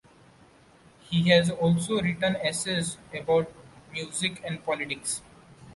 He has also written essays about music and politics.